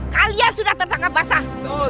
kalian sudah terdangkap basah